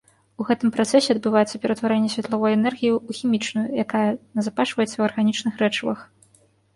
У гэтым працэсе адбываецца ператварэнне светлавой энергіі ў хімічную, якая назапашваецца ў арганічных рэчывах.